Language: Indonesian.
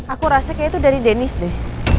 aku rasanya kayaknya tuh dari denis deh